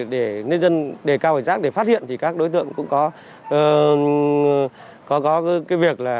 để nâng cao khẩy giác để phát hiện thì các đối tượng cũng có việc